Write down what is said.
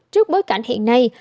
trước bối cảnh hiện nay